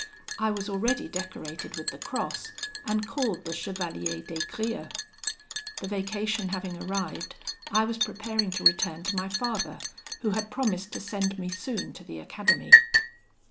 I was already decorated with the Cross, and called the Chevalier des Grieux. The vacation having arrived, I was preparing to return to my father, who had promised to send me soon to the Academy.